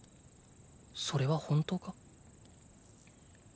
それは本当か？